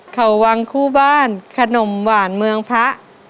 เขาวังคู่บ้านขนมหวานเมืองพระ